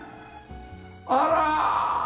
あら！